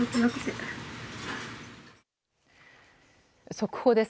速報です。